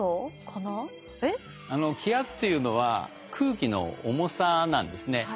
気圧というのは空気の重さなんですね。